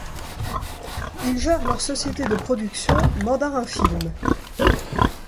Ils gèrent leurs société de production, Mandarin Films.